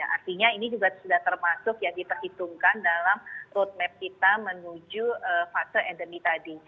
artinya ini juga sudah termasuk yang diperhitungkan dalam roadmap kita menuju fase endemi tadi